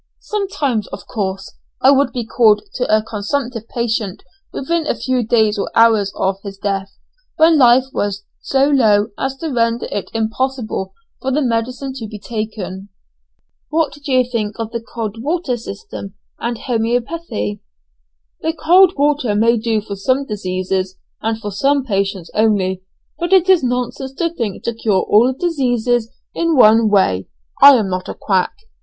Sometimes, of course, I would be called to a consumptive patient within a few days or hours of his death, when life was so low as to render it impossible for the medicine to be taken." "What do you think of the cold water system and homoeopathy?" "The cold water may do for some diseases and for some patients only, but it is nonsense to think to cure all diseases in one way. I am not a quack.